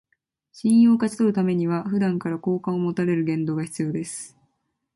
信用を勝ち取るためには、普段から好感を持たれる言動が必要です